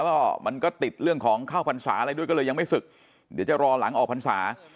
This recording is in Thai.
แล้วก็มันก็ติดเรื่องของข้าวพรรษาอะไรด้วยก็เลยยังไม่ศึกเดี๋ยวจะรอหลังออกพรรษา